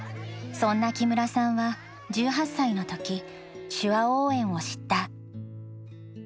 そんな木村さんは１８歳の時手話応援を知った。